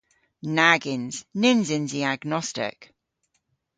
Nag yns. Nyns yns i agnostek.